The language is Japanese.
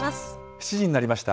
７時になりました。